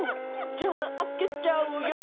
じゃあ、あけちゃうよ